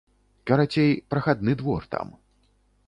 Карацей, прахадны двор там.